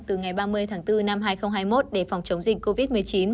từ ngày ba mươi tháng bốn năm hai nghìn hai mươi một để phòng chống dịch covid một mươi chín